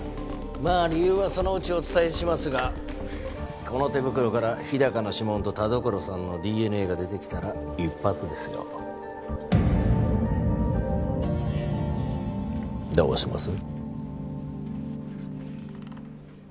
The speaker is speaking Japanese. まあ理由はそのうちお伝えしますがこの手袋から日高の指紋と田所さんのＤＮＡが出てきたら一発ですよどうします？